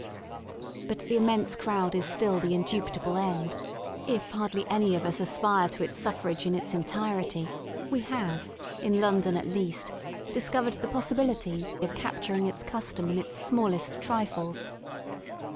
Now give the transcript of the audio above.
But the immense crowd is still the indubitable end If hardly any of us aspire to its suffrage in its entirety, we have, in London at least, discovered the possibili ties of capturing its custom in its smallest trifles.